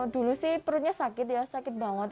dulu sih perutnya sakit ya sakit banget